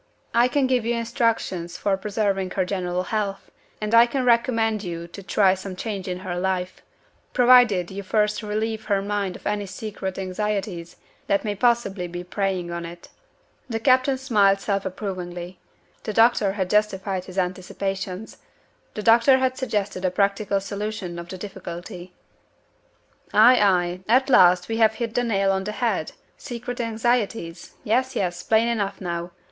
I can give you instructions for preserving her general health; and I can recommend you to try some change in her life provided you first relieve her mind of any secret anxieties that may possibly be preying on it.'" The captain smiled self approvingly. The doctor had justified his anticipations. The doctor had suggested a practical solution of the difficulty. "Ay! ay! At last we have hit the nail on the head! Secret anxieties. Yes! yes! Plain enough now.